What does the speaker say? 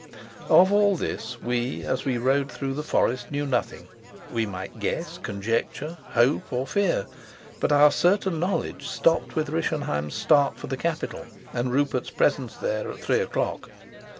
Of all this we, as we rode through the forest, knew nothing. We might guess, conjecture, hope, or fear; but our certain knowledge stopped with Rischenheim's start for the capital and Rupert's presence there at three o'clock.